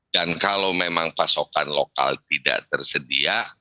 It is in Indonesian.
dan kalau memang pasokan lokal tidak tersedia